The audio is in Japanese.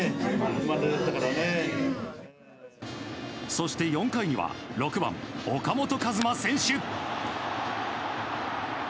そして４回には６番、岡本和真選手。